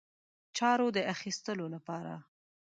چارو د اخیستلو لپاره.